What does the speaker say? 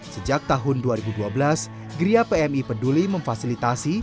sejak tahun dua ribu dua belas gria pmi peduli memfasilitasi